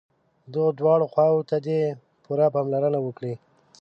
دغو دواړو خواوو ته دې پوره پاملرنه وکړي.